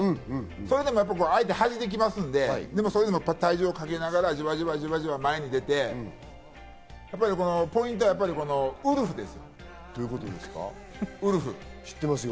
それでも相手ははじいていきますので、体重をかけながら、じわじわ前に出てポイントはウルフです。